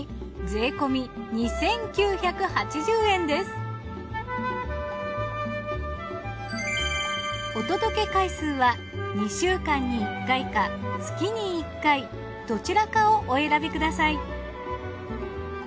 お値段はお届け回数は２週間に１回か月に１回どちらかをお選びください。